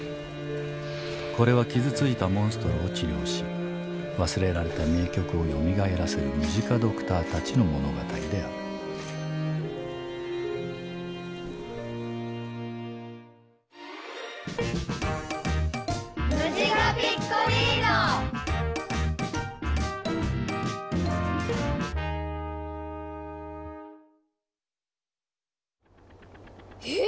これは傷ついたモンストロを治療し忘れられた名曲をよみがえらせるムジカドクターたちの物語であるええ